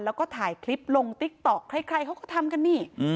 แล้วก็ถ่ายคลิปลงติ๊กต๊อกใครเขาก็ทำกันนี่